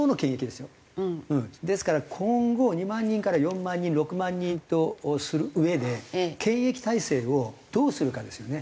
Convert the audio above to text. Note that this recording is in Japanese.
ですから今後２万人から４万人６万人とするうえで検疫体制をどうするかですよね。